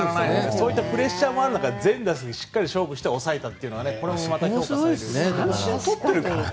そういうプレッシャーもある中全打席でしっかり勝負して抑えたというのがこれもまた見事で。